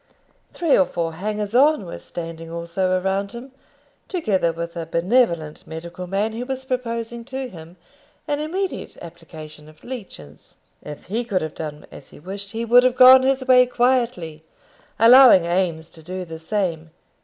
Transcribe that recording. Three or four hangers on were standing also around him, together with a benevolent medical man who was proposing to him an immediate application of leeches. If he could have done as he wished, he would have gone his way quietly, allowing Eames to do the same.